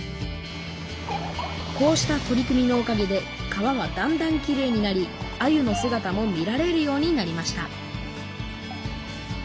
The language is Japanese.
こうした取り組みのおかげで川はだんだんきれいになりあゆのすがたも見られるようになりました